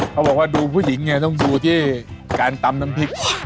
เขาบอกว่าดูผู้หญิงเนี่ยต้องดูที่การตำน้ำพริก